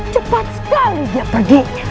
cepat sekali dia pergi